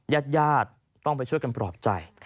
ญาติญาติต้องไปช่วยกันปลอบใจ